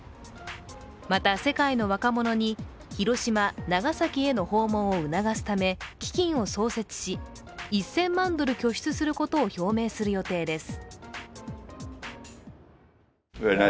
また世界の若者に広島・長崎への訪問を促すため基金を創設し、１０００万ドル拠出することを表明する予定です。